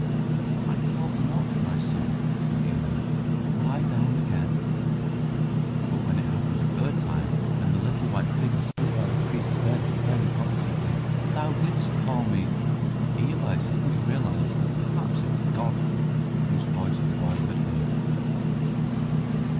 "I called not, my son," said Eli. "Lie down again." But when it happened a third time, and the little white figure stood by the priest's bed, declaring positively, "Thou didst call me," Eli suddenly realized that perhaps it was God whose voice the boy had heard.